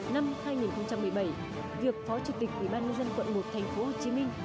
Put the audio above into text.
năm hai nghìn một mươi bảy việc phó chủ tịch ủy ban nhân dân quận một thành phố hồ chí minh